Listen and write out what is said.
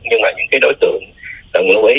nhưng mà những cái đối tượng lưu ý